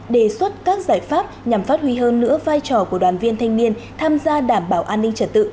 đề xuất các giải pháp nhằm phát huy hơn nữa vai trò của đoàn viên thanh niên tham gia đảm bảo an ninh trật tự